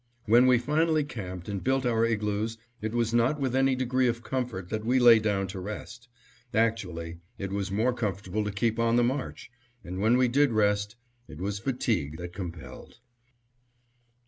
When we finally camped and built our igloos, it was not with any degree of comfort that we lay down to rest. Actually it was more comfortable to keep on the march, and when we did rest it was fatigue that compelled.